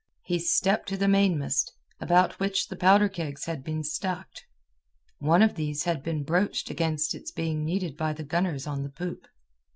He stepped to the mainmast, about which the powder kegs had been stacked. One of these had been broached against its being needed by the gunners on the poop.